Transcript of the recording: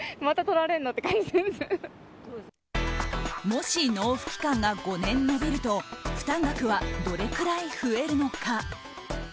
もし納付期間が５年延びると負担額はどれくらい増えるのか。